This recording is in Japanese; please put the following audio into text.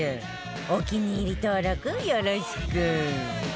お気に入り登録よろしく